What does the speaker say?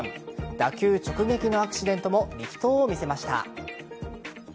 打球直撃のアクシデントも力投を見せました。